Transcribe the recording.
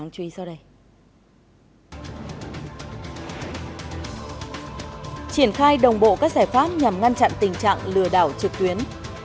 triển khai đồng bộ các giải pháp nhằm ngăn chặn tình trạng lừa đảo trực tuyến